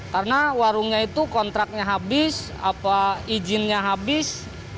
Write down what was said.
karena warungnya itu kontraknya habis izinnya habis